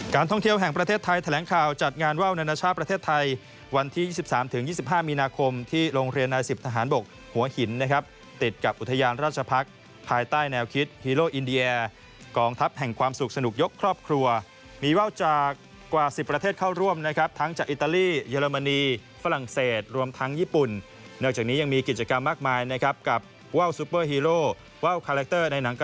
การท่องเที่ยวแห่งประเทศไทยแถลงข่าวจัดงานว่าวนานาชาประเทศไทยวันที่๒๓๒๕มีนาคมที่โรงเรียนรายสิบทหารบกหัวหินนะครับติดกับอุทยานราชพักษ์ภายใต้แนวคิดฮีโรออินเดียกองทัพแห่งความสุขสนุกยกครอบครัวมีว่าวจากกว่าสิบประเทศเข้าร่วมนะครับทั้งจากอิตาลีเยอรมนีฝรั่ง